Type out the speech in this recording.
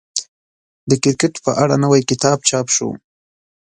د کرکټ په اړه نوی کتاب چاپ شو.